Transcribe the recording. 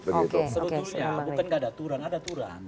seterusnya bukan tidak ada aturan ada aturan